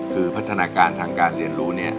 คือพัฒนาการทางการเรียนรู้